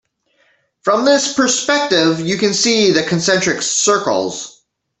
From this perspective you can see the concentric circles.